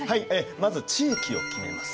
まず地域を決めます。